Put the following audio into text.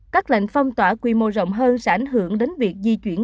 các lệnh phong tỏa quy mô rộng hơn sẽ ảnh hưởng đến việc di chuyển